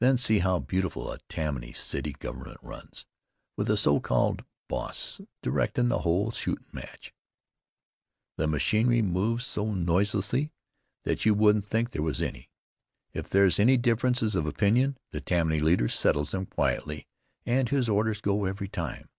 Then see how beautiful a Tammany city government runs, with a so called boss directin' the whole shootin' match! The machinery moves so noiseless that you wouldn't think there was any. If there's any differences of opinion the Tammany leader settles them quietly and his orders go every time.